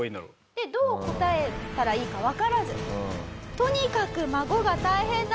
どう答えたらいいかわからずとにかく孫が大変なんです。